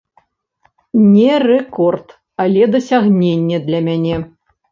Не рэкорд, але дасягненне для мяне.